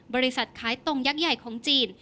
บริษัทขายตรงยักษ์ใหญ่ของจีน